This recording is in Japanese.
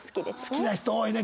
好きな人多いね